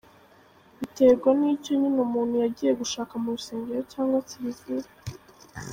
Biterwa n’icyo nyine umuntu yagiye gushaka mu rusengero cyangwa kiriziya.